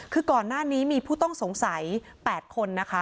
คือก่อนหน้านี้มีผู้ต้องสงสัย๘คนนะคะ